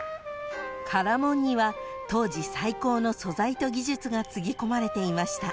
［唐門には当時最高の素材と技術がつぎ込まれていました］